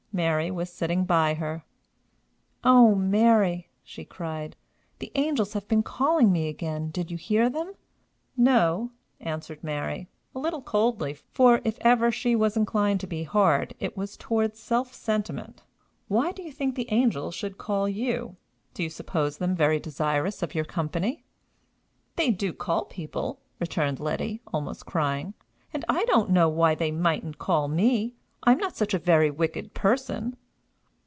Mary was sitting by her. "O Mary!" she cried, "the angels have been calling me again. Did you hear them?" "No," answered Mary, a little coldly, for, if ever she was inclined to be hard, it was toward self sentiment. "Why do you think the angels should call you? Do you suppose them very desirous of your company?" "They do call people," returned Letty, almost crying; "and I don't know why they mightn't call me. I'm not such a very wicked person!"